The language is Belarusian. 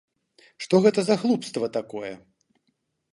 Што гэта за глупства такое!